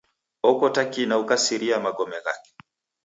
Okota kina ukasiria magome ghake.